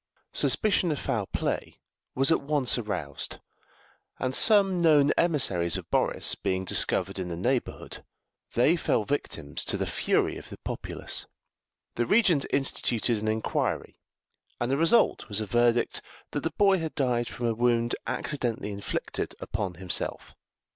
Suspicion of foul play was at once aroused, and some known emissaries of Boris being discovered in the neighbourhood, they fell victims to the fury of the populace. The Regent instituted an inquiry, and the result was a verdict that the boy had died from a wound accidentally inflicted upon himself.